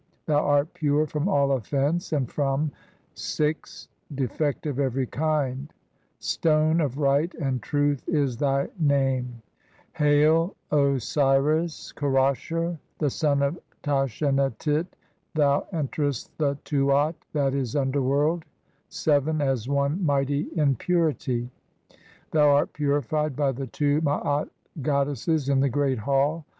Thou art pure "from all offence and from (6) defect of every kind ; '"Stone of Right and Truth' is thy name." m* CXCVI INTRODUCTION. "Hail, [Osiris] Kerasher, the son of Tashenatit, thou "enterest the Tuat (/. e., underworld) (7) as one mighty "in purity. Thou art purified by the two Maat god "desses in the Great Hall.